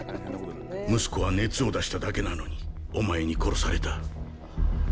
息子は熱を出しただけなのにお前に殺された。